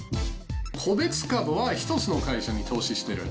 個別株は１つの会社に投資してる。